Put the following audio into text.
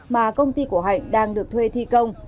mà công ty của hạnh đang được thuê thi công